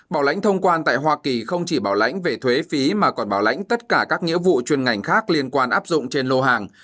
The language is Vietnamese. bảo lãnh thông quan tại hoa kỳ không chỉ bảo lãnh về thuế phí mà còn bảo lãnh tất cả các nghĩa vụ chuyên ngành khác liên quan áp dụng trên lô hàng